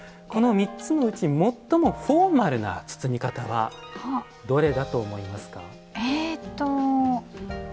この３つのうち最もフォーマルな包み方はどれだと思いますか？